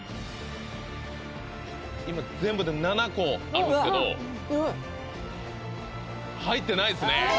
今全部で７個あるんすけど入ってないっすね！